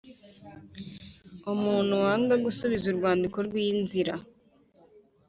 Umuntu wanga gusubiza urwandiko rw inzira